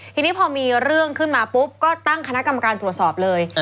ทีนี้พอมีเรื่องขึ้นมาปุ๊บก็ตั้งคณะกรรมการตรวจสอบเลย